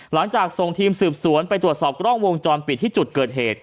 หลังจากส่งทีมสืบสวนไปตรวจสอบกล้องวงจรปิดที่จุดเกิดเหตุ